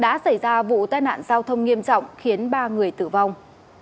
đã xảy ra vụ tai nạn giao thông nghiêm trọng khiến ba người tử vong